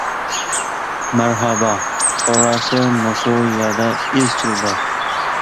مەرھابا تۇراسى مۇشۇ يەردە ئىزچىل بار.